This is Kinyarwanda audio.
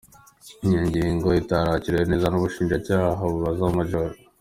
Ni ingingo itarakiriwe neza n’Ubushinjacyaha bubaza Maj.